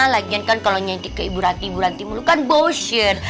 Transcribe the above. lagian kan kalau nyantik ke ibu ranti ibu ranti mulu kan boshir